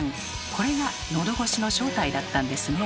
これがのどごしの正体だったんですね。